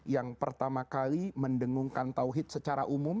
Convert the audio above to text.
yang pertama kali mendengungkan tawhid secara umum